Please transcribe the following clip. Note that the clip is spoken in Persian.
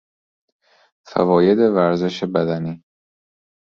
فواید ورزش بدنی